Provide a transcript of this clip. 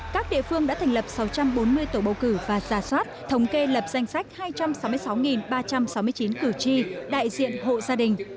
các địa phương đã thành lập sáu trăm bốn mươi tổ bầu cử và giả soát thống kê lập danh sách hai trăm sáu mươi sáu ba trăm sáu mươi chín cử tri đại diện hộ gia đình